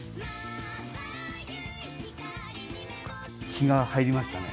気が入りましたね。